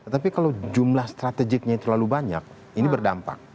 tapi kalau jumlah strategiknya terlalu banyak ini berdampak